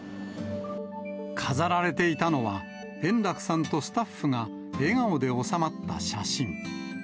飾られていたのは、円楽さんとスタッフが笑顔で収まった写真。